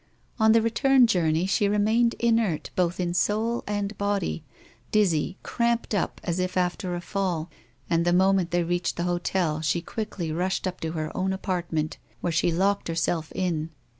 On the return journey, she remained inert both in soul and body, dizzy, cramped up, as if after a fall; and, the moment they reached the hotel, she quickly rushed up to her own apartment, where she locked herself in.